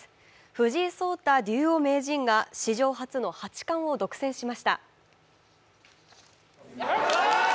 藤井聡太竜王名人が史上初の八冠を独占しました。